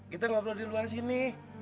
kita ngobrol di luar sini